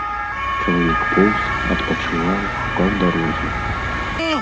Чалавек поўз, адпачываў, шукаў дарогі.